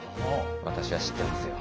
私は知ってますよ。